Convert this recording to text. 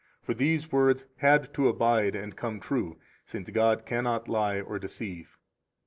For these words had to abide and come true, since God cannot lie or deceive.